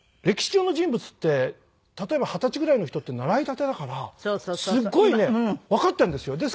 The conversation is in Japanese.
歴史上の人物って例えば二十歳ぐらいの人って習いたてだからすごいねわかってるんですよ。